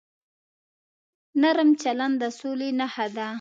نرم چلند د سولې نښه ده.